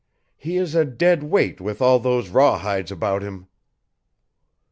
He is a dead weight with all those rawhides about him."